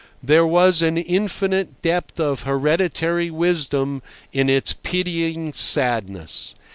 There was an infinite depth of hereditary wisdom in its pitying sadness.